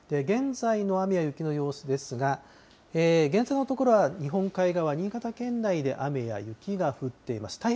現在の雨や雪の様子ですが、現在のところは日本海側、新潟県内で雨や雪が降っています。